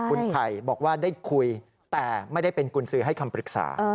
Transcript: คุณไผ่บอกว่าได้คุยแต่ไม่ได้เป็นกุญสือให้คำปรึกษา